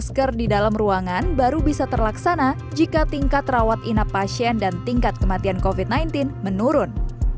masker di dalam ruangan baru bisa terlaksana jika tingkat rawat inap pasien dan tingkat kematian covid sembilan belas menurun